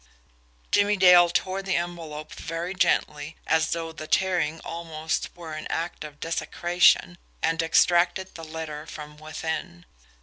Jimmie Dale tore the envelope very gently, as though the tearing almost were an act of desecration and extracted the letter from within.